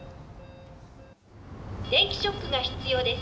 電気ショックが必要です。